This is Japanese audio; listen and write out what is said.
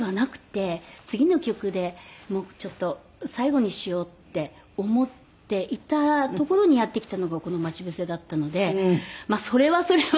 次の曲でちょっと最後にしようって思っていたところにやってきたのがこの『まちぶせ』だったのでそれはそれは。